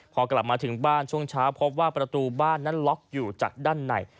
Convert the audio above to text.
พอกลับมาถึงบ้านช่วงเช้าพบว่าประตูบ้านนั้นล็อกอยู่จากด้านใน